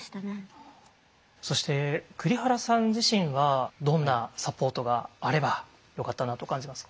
そして栗原さん自身はどんなサポートがあればよかったなと感じますか？